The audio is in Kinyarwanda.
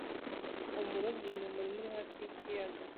Umurobyi mu murima uri hafi y'ikiyaga